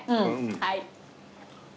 はい。